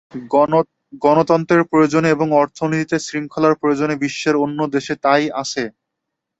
গণতন্ত্রের প্রয়োজনে এবং অর্থনীতিতে শৃঙ্খলার প্রয়োজনে বিশ্বের অন্য দেশে তা-ই আছে।